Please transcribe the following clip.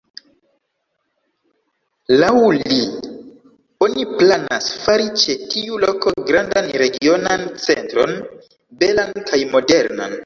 Laŭ li, oni planas fari ĉe tiu loko grandan regionan centron, belan kaj modernan.